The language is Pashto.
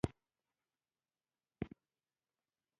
د احمدشاه بابا ستراتیژيک فکر تر اوسه ستایل کېږي.